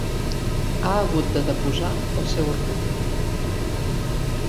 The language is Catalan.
Ha hagut de deposar el seu orgull.